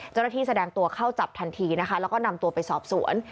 เจ้าหน้าที่แสดงตัวเข้าจับทันทีนะคะแล้วก็นำตัวไปสอบสวน